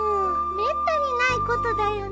めったにないことだよね。